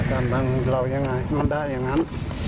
กำลังเรายังไงมันได้อย่างนั้น